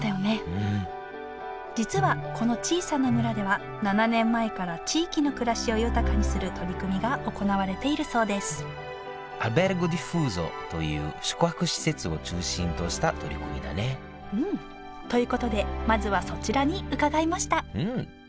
うん実はこの小さな村では７年前から地域の暮らしを豊かにする取り組みが行われているそうですという宿泊施設を中心とした取り組みだねということでまずはそちらに伺いました